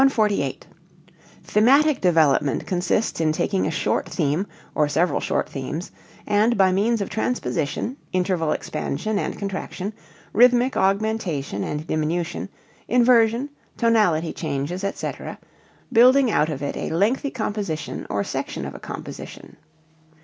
148. Thematic development consists in taking a short theme (or several short themes) and by means of transposition, interval expansion and contraction, rhythmic augmentation and diminution, inversion, tonality changes, etc., building out of it a lengthy composition or section of a composition.